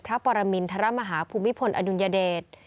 พระปรมินทรมาฮาภูมิพลอดุลยเดช